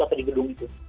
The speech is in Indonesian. atau di gedung itu